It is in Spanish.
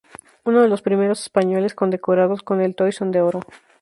Uno de los primeros españoles condecorados con el Toisón de Oro.